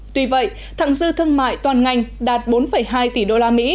tuy vậy thẳng dư thương mại toàn ngành đạt bốn hai tỷ usd